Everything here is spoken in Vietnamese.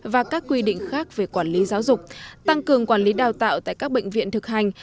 và các quy định khác về quản lý giáo dục tăng cường quản lý đào tạo tại các bệnh viện thực hành